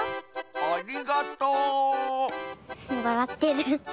ありがとわらってる。